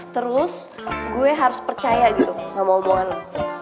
terus gue harus percaya gitu sama hubungan